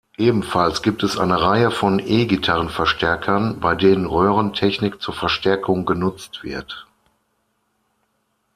Ebenfalls gibt es eine Reihe von E-Gitarrenverstärkern, bei denen Röhrentechnik zur Verstärkung genutzt wird.